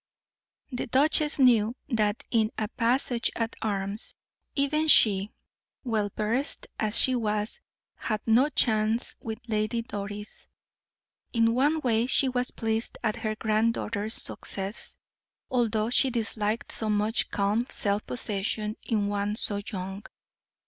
The duchess knew that in a passage at arms, even she, well versed as she was, had no chance with Lady Doris. In one way she was pleased at her granddaughter's success, although she disliked so much calm self possession in one so young.